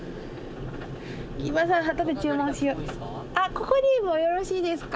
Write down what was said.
ここでもよろしいですか？